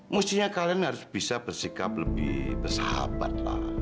mestinya kalian harus bisa bersikap lebih bersahabat lah